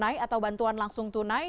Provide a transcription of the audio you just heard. atau bantuan langsung tunai